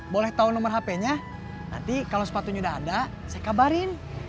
boleh tau nomer hpnya nanti kalo sepatunya udah ada saya kabarin